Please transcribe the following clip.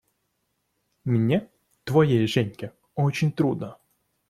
Мне, твоей Женьке, очень трудно.